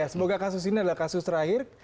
semoga kasus ini adalah kasus terakhir